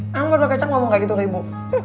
emang sebotol kecap ngomong kayak gitu ke ibu